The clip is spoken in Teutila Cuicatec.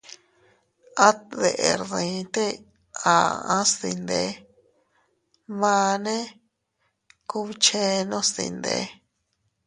At deʼer dii te a aʼas dinde, mane kubchenos dinde.